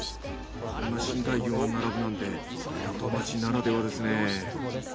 こんな深海魚が並ぶなんて港町ならではですね。